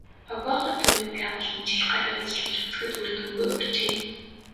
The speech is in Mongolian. "Багваахай" төвийг байгуулан жил гаруй ажиллаж үзэхэд үр дүнгээ өгчээ.